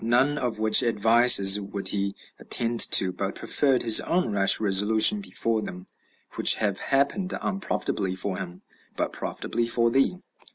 None of which advises would he attend to, but preferred his own rash resolution before them, which have happened unprofitably for him, but profitably for thee.